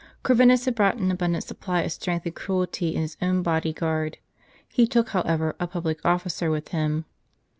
Corvinus had brought an abundant supply of strength and cruelty, in his own body guard. He took, however, a public officer with him.